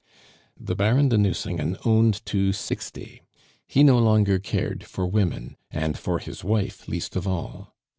The Baron de Nucingen owned to sixty; he no longer cared for women, and for his wife least of all.